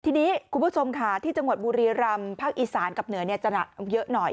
ทีนี้คุณผู้ชมค่ะที่จังหวัดบุรีรำภาคอีสานกับเหนือจะหนักเยอะหน่อย